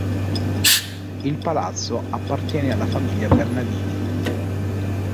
Il palazzo appartiene alla famiglia Bernardini.